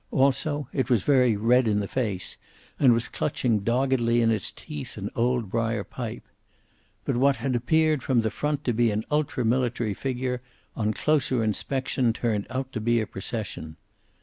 Also it was very red in the face, and was clutching doggedly in its teeth an old briar pipe. But what had appeared from the front to be an ultra military figure on closer inspection turned out to be a procession.